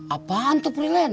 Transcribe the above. apaan tuh freelance